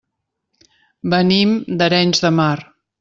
Venim d'Arenys de Mar.